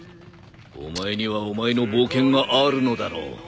お前にはお前の冒険があるのだろう。